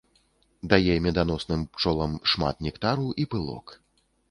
Дае меданосным пчолам шмат нектару і пылок.